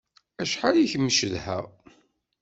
Acḥal i kem-cedhaɣ!